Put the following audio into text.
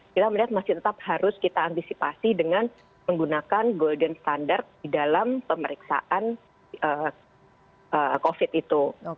kita melihat masih tetap harus kita antisipasi dengan menggunakan golden standard di dalam pemeriksaan covid itu